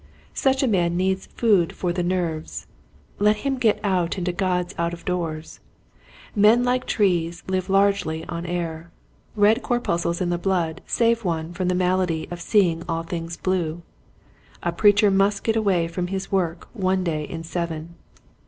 Such a man needs food for the nerves. Let him get out into God's out of doors. Men like trees live largely on air. Red corpuscles in the blood save one from the malady of seeing all things blue. A preacher must get away from his work one day in seven.